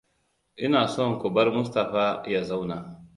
Ina son ku bar Mustaphaa ya zauna.